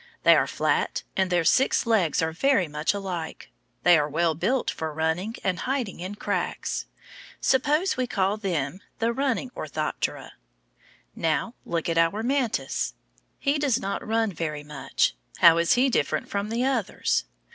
They are flat and their six legs are very much alike. They are well built for running and hiding in cracks. Suppose we call them the Running Orthoptera. Now, look at our mantis. He does not run very much. How is he different from the others?